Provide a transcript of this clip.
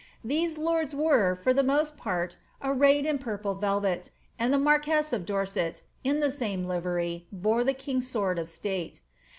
These lords were, for the most part, arrayed in purple velvet, and the marquess of Dorset, in the same Uvery, bore the king's sword of state.